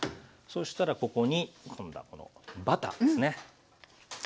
そしたらここに今度はバターですね。